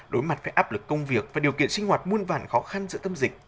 đối mặt với áp lực công việc và điều kiện sinh hoạt muôn vàn khó khăn giữa tâm dịch